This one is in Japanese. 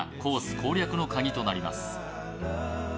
攻略のカギとなります。